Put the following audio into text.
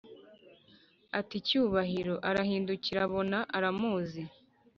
ati"cyubahiro?"arahindukira abona aramuzi